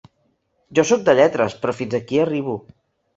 Jo sóc de lletres, però fins aquí arribo.